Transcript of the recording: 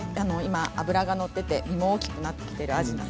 脂が乗っていて身も大きくなっています。